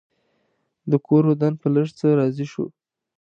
ده کور ودان په لږ څه راضي شو.